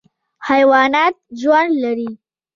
حیوانات ژوند لري.